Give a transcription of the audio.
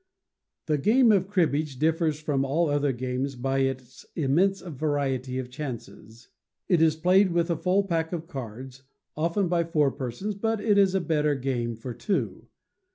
The game of Cribbage differs from all other games by its immense variety of chances. It is played with the full pack of cards, often by four persons, but it is a better game for two.